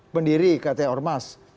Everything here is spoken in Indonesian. pendiri katanya ormas